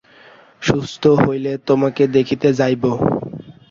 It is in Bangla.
সুস্থ হইলে তোমাকে দেখিতে যাইব।